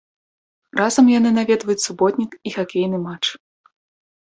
Разам яны наведваюць суботнік і хакейны матч.